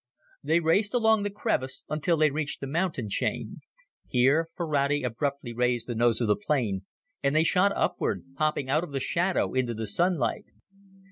They raced along the crevice until they reached the mountain chain. Here, Ferrati abruptly raised the nose of the plane and they shot upward, popping out of the shadow into the sunlight.